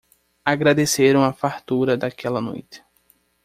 Agradeceram a fartura daquela noite